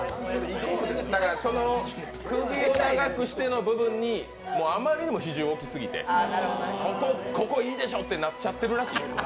「首を長くして」の部分にあまりにも比重を置きすぎて、「ここ、いいでしょ！」ってなっちゃってるらしいよ。